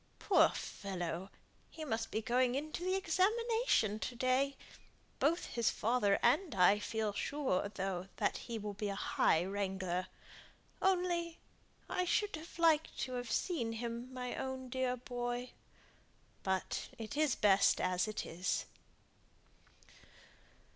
Poor fellow! he must be going into the examination to day! Both his father and I feel sure, though, that he will be a high wrangler. Only I should like to have seen him, my own dear boy. But it is best as it is."